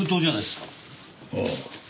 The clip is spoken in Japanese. ああ。